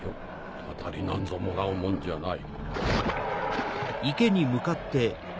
タタリなんぞもらうもんじゃない。